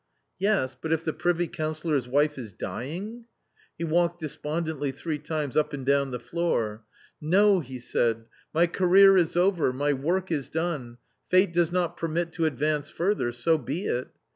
Yes, But if the privy councillor's wife is dying I ". He walked despondently three times up and down the room. " No," he said, " my career is over ! My work is done ; Fate does not permit to advance further — so be it